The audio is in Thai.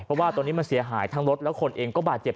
เพราะว่าตอนนี้มันเสียหายทั้งรถแล้วคนเองก็บาดเจ็บ